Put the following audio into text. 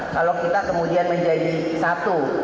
kalau kita kemudian menjadi satu